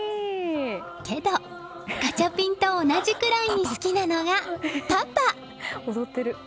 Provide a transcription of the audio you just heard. けど、ガチャピンと同じくらいに好きなのがパパ！